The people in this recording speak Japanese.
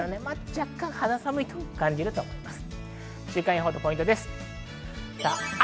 若干、肌寒いと感じると思います。